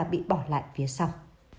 bị bỏ lại phía sau